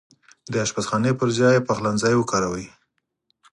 د اشپزخانې پرځاي پخلنځای وکاروئ